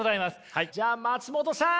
はいじゃあ松本さん。